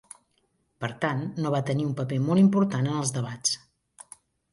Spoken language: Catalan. Per tant, no va tenir un paper molt important en els debats.